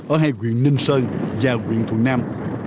ở hai quyện ninh sơn và quyện thuận nam